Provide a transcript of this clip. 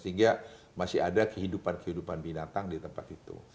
sehingga masih ada kehidupan kehidupan binatang di tempat itu